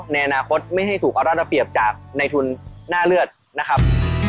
ในอนาคตไม่ให้ถูกเอารัฐเอาเปรียบจากในทุนหน้าเลือดนะครับ